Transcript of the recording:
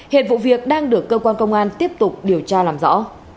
hiện vụ việc đang được cơ quan công an tiếp tục điều tra làm rõ